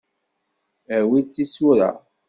Awi-d tisura.